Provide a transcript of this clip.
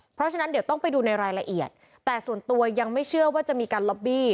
เพราะฉะนั้นเดี๋ยวต้องไปดูในรายละเอียดแต่ส่วนตัวยังไม่เชื่อว่าจะมีการล็อบบี้